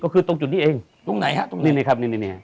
ก็คือตรงจุดนี้เองตรงไหนครับ